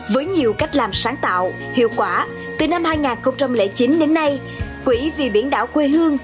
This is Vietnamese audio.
với nhiều cách làm sáng tạo hiệu quả từ năm hai nghìn chín đến nay quỹ vì biển đảo quê hương